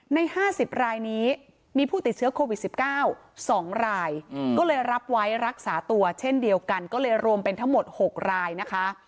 ใน๕๐รายนี้มีผู้ติดเชื้อโควิด๑๙๒รายก็เลยรับไว้รักษาตัวเช่นเดียวกันก็เลยรวมเป็นทั้งหมด๖รายนะคะ